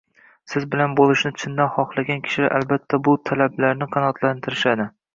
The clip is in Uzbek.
Siz bilan bo’lishni chindan xohlagan kishilar albatta bu talablarni qanoatlantirishadi